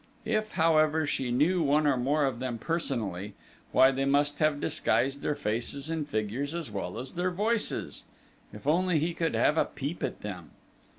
If, however, she knew one or more of them personally, why, they must have disguised their faces and figures as well as their voices!... If only he could have a peep at them!